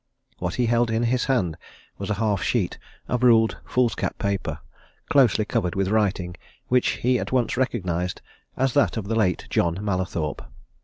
What he held in his hand was a half sheet of ruled foolscap paper, closely covered with writing, which he at once recognized as that of the late John Mallathorpe.